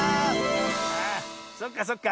ああそっかそっか。